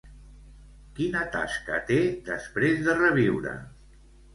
Quina tasca té després de reviure?